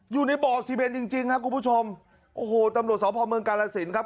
อยู่ในบ่อซีเบนจริงจริงครับคุณผู้ชมโอ้โหตำรวจสพเมืองกาลสินครับ